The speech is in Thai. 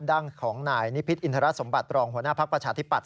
ด้านของนายนิพิษอินทรสมบัติรองหัวหน้าภักดิ์ประชาธิปัตย